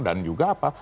dan juga apa